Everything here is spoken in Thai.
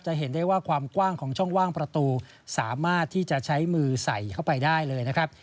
เห็นได้ว่าความกว้างของช่องว่างประตูสามารถที่จะใช้มือใส่เข้าไปได้เลยนะครับ